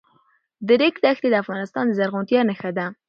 د ریګ دښتې د افغانستان د زرغونتیا نښه ده.